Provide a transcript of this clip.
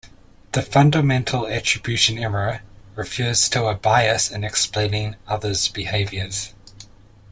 The fundamental attribution error refers to a bias in explaining others' behaviors.